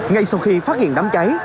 ngay sau khi phát hiện đám cháy